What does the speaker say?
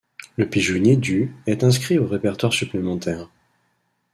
Le pigeonnier du est inscrit au répertoire supplémentaire.